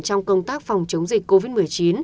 trong công tác phòng chống dịch covid một mươi chín